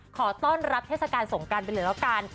ขอต้อนรับเทศกาลสงการไปเลยแล้วกัน